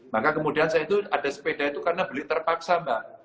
maka kemudian saya itu ada sepeda itu karena beli terpaksa mbak